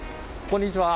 こんにちは。